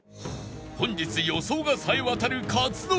本日予想がさえ渡る克典